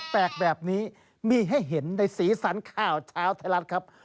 แปลกแบบนี้มีให้เห็นในสีสันข่าวเช้าไทยรัฐครับ